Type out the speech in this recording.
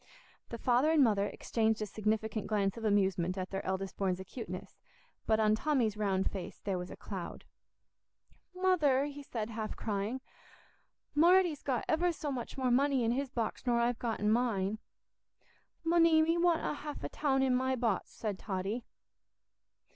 The father and mother exchanged a significant glance of amusement at their eldest born's acuteness; but on Tommy's round face there was a cloud. "Mother," he said, half crying, "Marty's got ever so much more money in his box nor I've got in mine." "Munny, me want half a toun in my bots," said Totty.